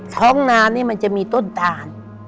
ท้องนานนี้มันมีต้นด่าน